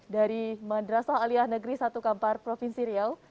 dari madrasa aliyah negeri satu kampar provinsi riau